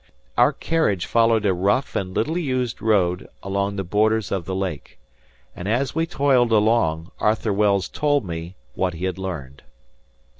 Our carriage followed a rough and little used road along the borders of the lake; and as we toiled along, Arthur Wells told me, what he had learned.